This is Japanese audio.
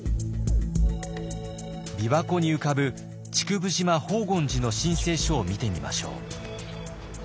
びわ湖に浮かぶ竹生島宝厳寺の申請書を見てみましょう。